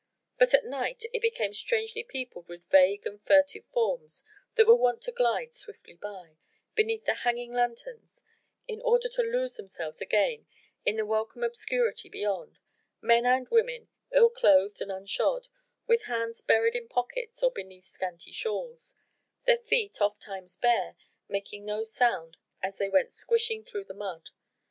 But at night it became strangely peopled with vague and furtive forms that were wont to glide swiftly by, beneath the hanging lanthorns, in order to lose themselves again in the welcome obscurity beyond: men and women ill clothed and unshod, with hands buried in pockets or beneath scanty shawls their feet, oft times bare, making no sound as they went squishing through the mud.